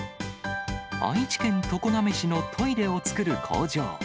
愛知県常滑市のトイレを作る工場。